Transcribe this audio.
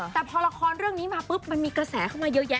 แต่พอละครเรื่องนี้มาปุ๊บมันมีกระแสเข้ามาเยอะแยะ